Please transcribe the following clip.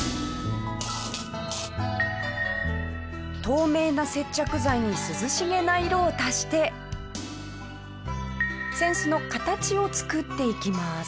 透明な接着剤に涼しげな色を足して扇子の形を作っていきます。